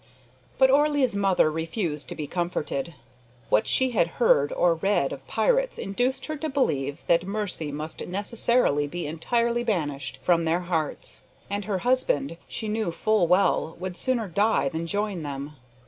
But Orley's mother refused to be comforted. What she had heard or read of pirates induced her to believe that mercy must necessarily be entirely banished from their hearts; and her husband, she knew full well, would sooner die than join them.